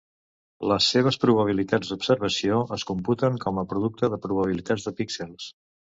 Les seves probabilitats d'observació es computen com a producte de probabilitats de píxels.